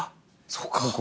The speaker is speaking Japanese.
そうか。